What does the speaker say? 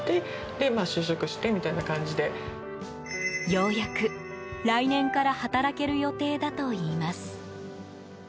ようやく、来年から働ける予定だといいます。